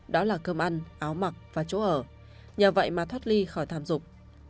đó là cơm ăn áo mặc và chỗ ở nhờ vậy mà thoát ly khỏi thảm dục